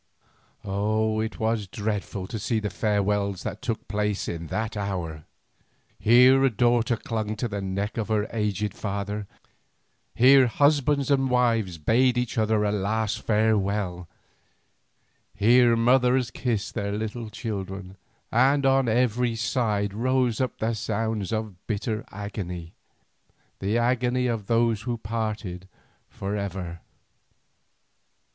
Oh! it was dreadful to see the farewells that took place in that hour. Here a daughter clung to the neck of her aged father, here husbands and wives bade each other a last farewell, here mothers kissed their little children, and on every side rose up the sounds of bitter agony, the agony of those who parted for ever.